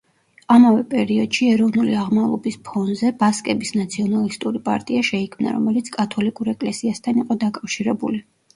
ამავე პერიოდში ეროვნული აღმავლობის ფონზე ბასკების ნაციონალისტური პარტია შეიქმნა, რომელიც კათოლიკურ ეკლესიასთან იყო დაკავშირებული.